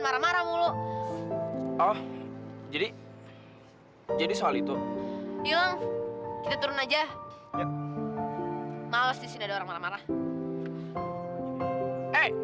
marah marah mulu oh jadi jadi soal itu ilang kita turun aja mau sih ada orang marah marah